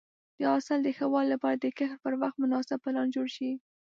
د حاصل د ښه والي لپاره د کښت پر وخت مناسب پلان جوړ شي.